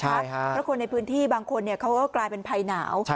เพราะคนในพื้นที่บางคนเขาก็กลายเป็นภัยหนาว